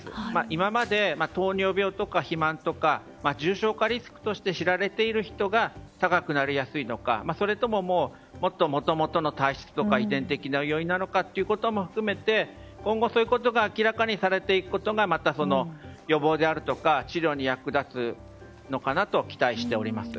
今まで糖尿病とか肥満とか重症化リスクとして知られている人が高くなりやすいとかそれとも、もともとの体質とか遺伝的な要因なのかということも含めて今後、そういうことが明らかにされていくことが、また予防であるとか治療に役立つのかなと期待しております。